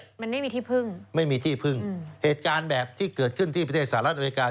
มันไม่มีที่พึ่งไม่มีที่พึ่งเหตุการณ์แบบที่เกิดขึ้นที่ประเทศสหรัฐอเมริกา